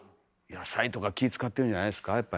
野菜とか気ぃ遣ってるんじゃないですか？